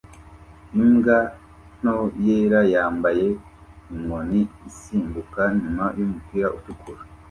Imbwa nto yera yambaye inkoni isimbuka nyuma yumupira utukura